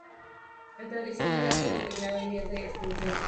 El tradicional arte del peinado está en vías de extinción.